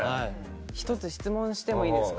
１つ質問してもいいですか？